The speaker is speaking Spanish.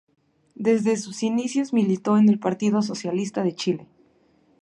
Desde sus inicios militó en el Partido Socialista de Chile.